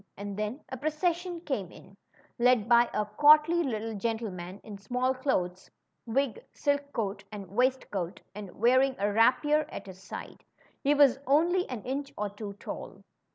And then a procession came in, led by a courtly little gen tleman in small clothes, wig, silk coat, and waist coat, and wearing a rapier at his side. He was only an inch or two tall.